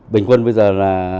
bình quân bây giờ là